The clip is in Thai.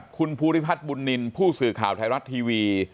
คนพุทธิภัทรบุรนินทร์ผู้สื่อข่าวไทยรัฐทีวี